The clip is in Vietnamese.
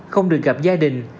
không được gặp gia đình